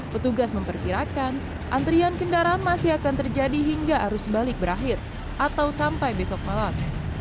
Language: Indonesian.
petugas memperkirakan antrian kendaraan masih akan terjadi hingga arus balik berakhir atau sampai besok malam